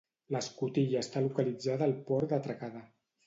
L'escotilla està localitzada al port d'atracada.